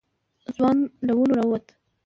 ځوان له ونو راووت.